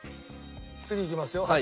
次いきますよ。